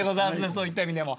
そういった意味でも。